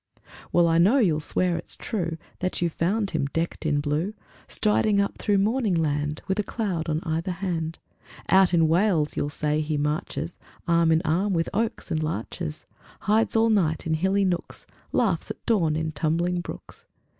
IV Well, I know you'll swear it's true That you found him decked in blue Striding up through morning land With a cloud on either hand. Out in Wales, you'll say, he marches Arm in arm with oaks and larches; Hides all night in hilly nooks, Laughs at dawn in tumbling brooks.